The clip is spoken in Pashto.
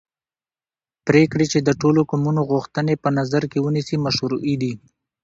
پرېکړې چې د ټولو قومونو غوښتنې په نظر کې ونیسي مشروعې دي